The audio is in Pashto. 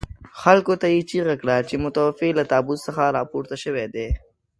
خلکو ته یې چيغه کړه چې متوفي له تابوت څخه راپورته شوي دي.